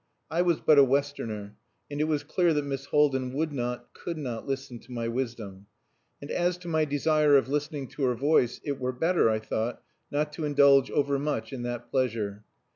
I was but a Westerner, and it was clear that Miss Haldin would not, could not listen to my wisdom; and as to my desire of listening to her voice, it were better, I thought, not to indulge overmuch in that pleasure.